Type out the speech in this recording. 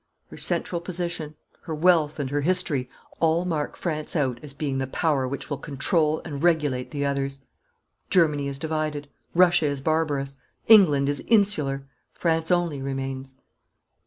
Her central position, her wealth and her history, all mark France out as being the power which will control and regulate the others. Germany is divided. Russia is barbarous. England is insular. France only remains.'